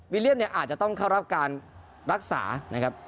เลียมเนี่ยอาจจะต้องเข้ารับการรักษานะครับ